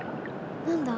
何だ？